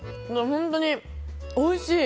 本当においしい！